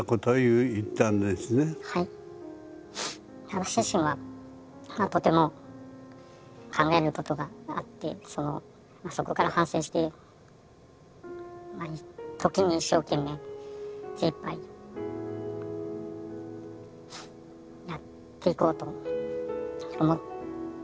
私自身はとても考えることがあってそこから反省して時に一生懸命精いっぱいやっていこうと思ってました。